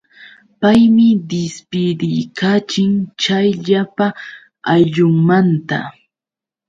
Paymi dispidikachin chay llapa ayllunmanta.